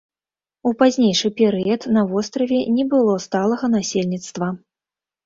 У пазнейшы перыяд на востраве не было сталага насельніцтва.